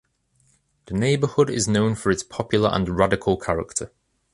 This neighborhood is known for its popular and radical character.